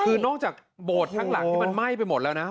คือนอกจากโบสถ์ทั้งหลังที่มันไหม้ไปหมดแล้วนะ